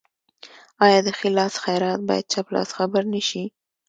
آیا د ښي لاس خیرات باید چپ لاس خبر نشي؟